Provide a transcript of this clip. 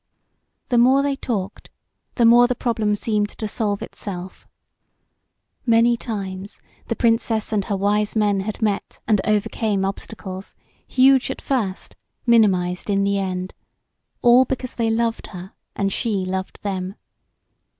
The more they talked, the more the problem seemed to solve itself. Many times the Princess and her wise men met and overcame obstacles, huge at first, minimized in the end, all because they loved her and she loved them.